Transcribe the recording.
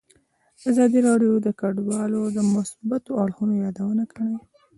ازادي راډیو د کډوال د مثبتو اړخونو یادونه کړې.